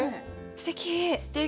すてき！